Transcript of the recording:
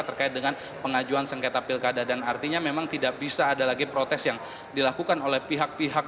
terkait dengan pengajuan sengketa pilkada dan artinya memang tidak bisa ada lagi protes yang dilakukan oleh pihak pihak